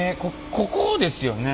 ここですよね？